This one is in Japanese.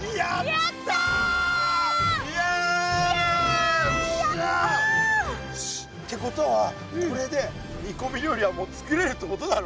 やった！ってことはこれで煮こみ料理はもうつくれるってことだろ？